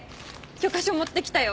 許可書持ってきたよ。